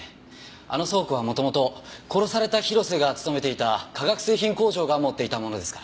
あの倉庫は元々殺された広瀬が勤めていた化学製品工場が持っていたものですから。